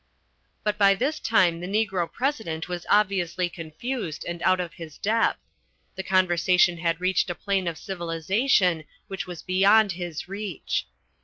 But by this time the Negro President was obviously confused and out of his depth. The conversation had reached a plane of civilisation which was beyond his reach.